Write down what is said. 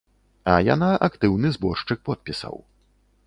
А яна актыўны зборшчык подпісаў.